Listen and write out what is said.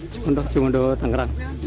cukondo cukondo tangerang